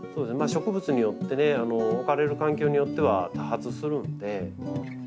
植物によってね置かれる環境によっては多発するので。